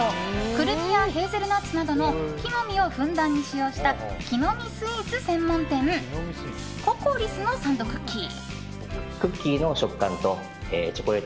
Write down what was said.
クルミやヘーゼルナッツなどの木の実をふんだんに使用した木の実スイーツ専門店ＣＯＣＯＲＩＳのサンドクッキー。